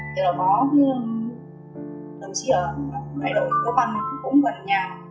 thì là có khi là đồng sĩ ở đại đội cơ băng cũng gần nhà